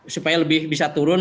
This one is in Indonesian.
supaya lebih bisa turun